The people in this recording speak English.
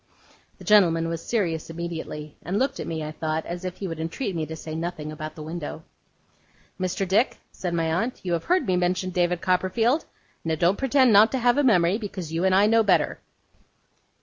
The gentleman was serious immediately, and looked at me, I thought, as if he would entreat me to say nothing about the window. 'Mr. Dick,' said my aunt, 'you have heard me mention David Copperfield? Now don't pretend not to have a memory, because you and I know better.